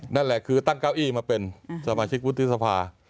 นั่นแหละคือตั้งเก้าอี้มาเป็นสมาชิกวุฒิสภา